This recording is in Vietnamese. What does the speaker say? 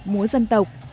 múa dân tộc